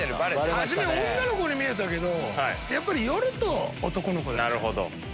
初め女の子に見えたけど寄ると男の子だね。